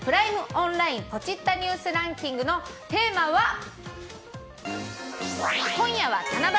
オンラインポチッたニュースランキングのテーマは今夜は七夕！